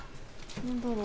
何だろう？